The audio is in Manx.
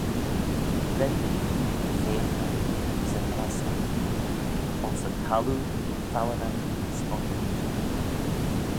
Ren mee oo y veaghey 'syn assagh, ayns y thalloo fowanagh sponkit.